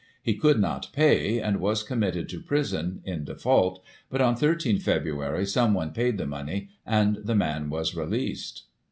He could not pay, and was committed to prison, in default, but on 13 Feb., someone paid the money, and the man was released.